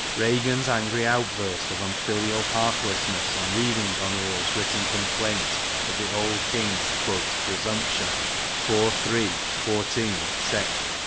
Ragan's angry outburst of unfilial heartlessness on reading Gonoril's written complaint of the old King's ' presumption ' (IV. iii. 14, seg.)